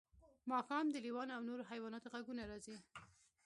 ماښام د لیوانو او نورو حیواناتو غږونه راځي